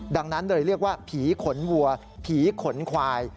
ดังนั้นเลยเรียกว่าผีขนวัวผีขนควาย